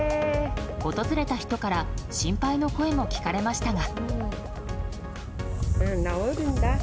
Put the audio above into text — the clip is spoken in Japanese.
訪れた人から心配の声も聞かれましたが。